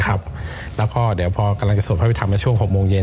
พอจะโดดได้ไปทำช่วง๖โมงเย็น